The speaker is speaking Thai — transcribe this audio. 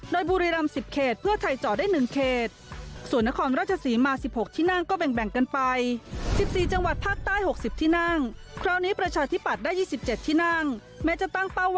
โดยบุรีรำ๑๐เขตเพื่อไทยเจาะได้๑เขต